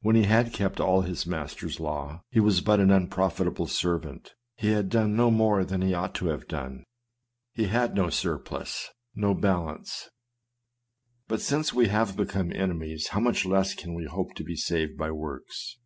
When he had ke^rt all his master's law he was but an 248 SERMONS. unprofitable servant : he had done no more than he ought to have done ; he had no surplus, no balance. But since we have become enemies, how much less can we hope to be saved by works!